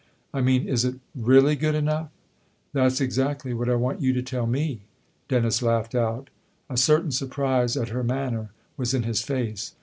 " I mean is it really good enough ?"" That's exactly what I want you to tell me !" Dennis laughed out. A certain surprise at her manner was in his face.